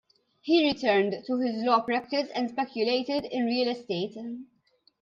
He returned to his law practice and speculated in real estate.